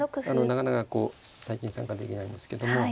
なかなかこう最近参加できないんですけども。